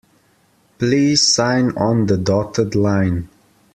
Please sign on the dotted line.